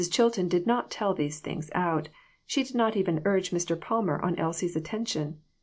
Chilton did not tell these things out. She did not even urge Mr. Palmer on Elsie's attention.